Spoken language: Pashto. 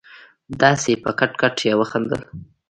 داسې په کټ کټ يې وخندل.